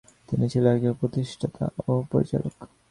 তিনি ছিলেন একজন প্রতিষ্ঠাতা ও পরিচালক।